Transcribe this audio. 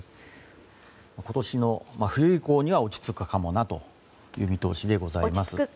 今年の冬以降には落ち着くかもなという見通しでございます。